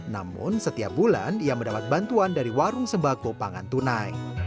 namun setiap bulan ia mendapat bantuan dari warung sembako pangan tunai